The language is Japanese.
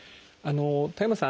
田山さん